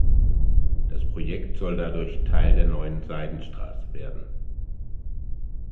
Das Projekt soll dadurch Teil der Neuen Seidenstraße werden.